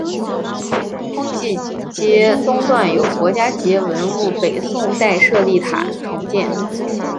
通济街东段有国家级文物北宋代舍利塔重建。